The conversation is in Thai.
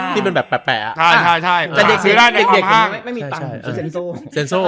ที่เป็นแบบแปลกอ่ะใช่แปลกแปลกแปลกอย่างเด็ก